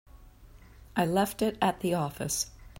I left it at the office.